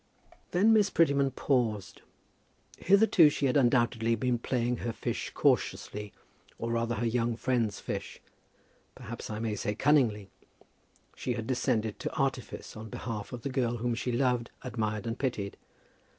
Then Miss Prettyman paused. Hitherto she had undoubtedly been playing her fish cautiously, or rather her young friend's fish, perhaps I may say cunningly. She had descended to artifice on behalf of the girl whom she loved, admired, and pitied.